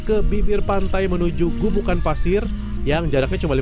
ke bibir pantai menuju gubukan pasir yang jadi penuh dengan tempat yang menarik untuk kita lihat ini